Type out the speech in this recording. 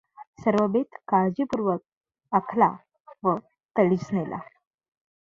सर्व बेत काळ्जीपूर्वक आखला व तडीस नेला.